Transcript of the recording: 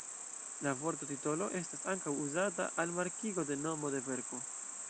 La vorto titolo estas ankaŭ uzata al markigo de nomo de verko.